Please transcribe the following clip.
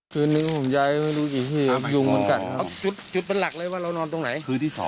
คืนนึงผมย้ายไม่ดูอย่างงี้ยุงมันกัดจุดเป็นหลักเลยว่านอนตรงไหน